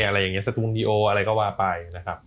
อะไรอย่างนี้สตูงดีโออะไรก็ว่าไป